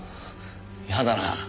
嫌だな。